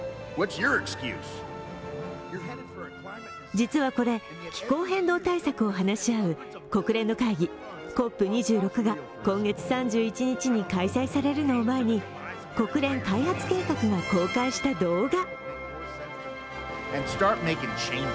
実はこれ、気候変動対策を話し合うＣＯＰ２６が今月３１日に開催されるのを前に国連開発計画が公開した動画。